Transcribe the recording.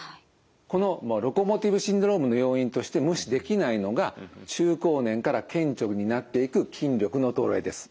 このロコモティブシンドロームの要因として無視できないのが中高年から顕著になっていく筋力の衰えです。